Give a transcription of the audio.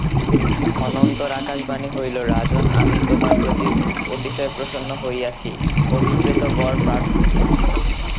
অনন্তর আকাশবাণী হইল রাজন আমি তোমার প্রতি অতিশয় প্রসন্ন হইয়াছি অভিপ্রেত বর প্রার্থনা কর।